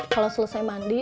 kalau selesai mandi